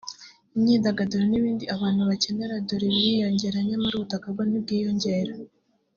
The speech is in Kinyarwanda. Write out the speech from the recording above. imyidagaduro n’ibindi abantu bakenera dore ko biyongera nyamara ubutaka bwo ntibwiyongere